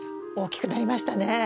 大きくなりましたね。